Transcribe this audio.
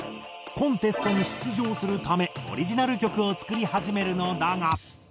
コンテストに出場するためオリジナル曲を作り始めるのだが。